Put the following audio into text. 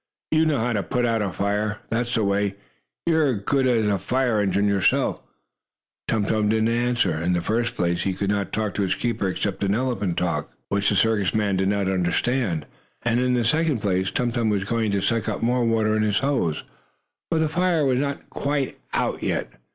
"You know how to put out a fire! That's the way. You're as good as a fire engine yourself!" Tum Tum did not answer. In the first place, he could not talk to his keeper except in elephant language, which the circus man did not understand. And, in the second place, Tum Tum was going to suck up more water in his nose, for the fire was not quite out yet.